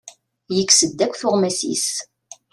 Yekkes-d akk tuɣmas-is.